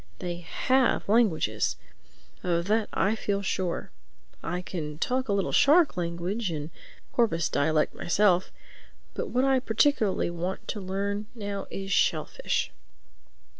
They have languages, of that I feel sure. I can talk a little shark language and porpoise dialect myself. But what I particularly want to learn now is shellfish."